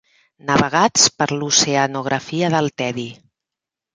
Navegats per l'oceanografia del tedi.